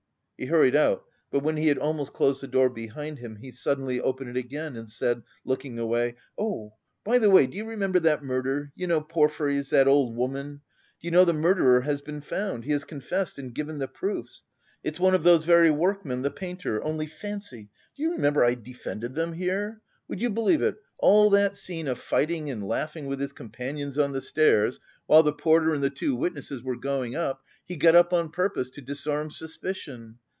He hurried out; but when he had almost closed the door behind him, he suddenly opened it again, and said, looking away: "Oh, by the way, do you remember that murder, you know Porfiry's, that old woman? Do you know the murderer has been found, he has confessed and given the proofs. It's one of those very workmen, the painter, only fancy! Do you remember I defended them here? Would you believe it, all that scene of fighting and laughing with his companions on the stairs while the porter and the two witnesses were going up, he got up on purpose to disarm suspicion.